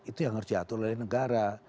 itu yang harus diatur oleh negara